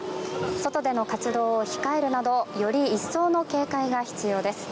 外での活動を控えるなどより一層の警戒が必要です。